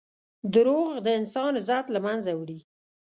دروغ د انسان عزت له منځه وړي.